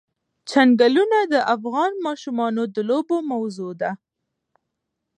چنګلونه د افغان ماشومانو د لوبو موضوع ده.